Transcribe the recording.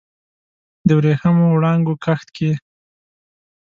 د وریښمېو وړانګو کښت کې